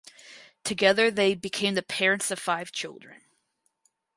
Together they became the parents of five children.